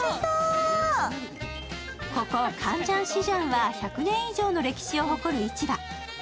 ここクァンジャンシジャンは１００年以上の歴史を誇る市場。